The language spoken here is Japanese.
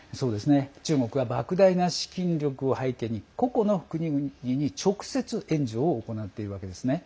中国はばく大な資金力を背景に個々の国々に直接援助を行っているわけなんです。